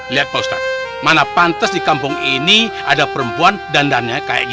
lihat pak ustadz mana pantas di kampung ini ada perempuan dan danya kata kata lainnya